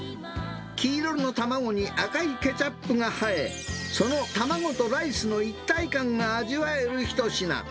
黄色の卵に赤いケチャップが映え、その卵とライスの一体感が味わえる一品。